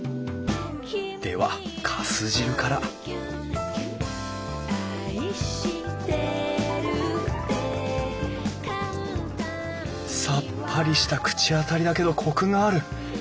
ではかす汁からさっぱりした口当たりだけどコクがある。